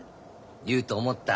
言うと思った。